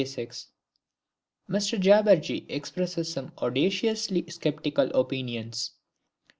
XXVI _Mr Jabberjee expresses some audaciously sceptical opinions.